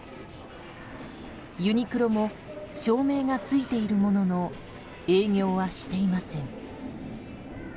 ユニクロも照明がついているものの営業はしていません。